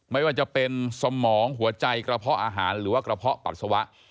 ไม่ว่าจะเป็นสมองหัวใจกระเพาะอาหารหรือว่ากระเพาะปัสสาวะ